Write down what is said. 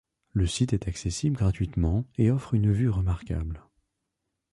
Le site est accessible gratuitement et offre une vue remarquable.